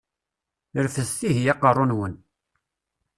Refdet ihi aqeṛṛu-nwen!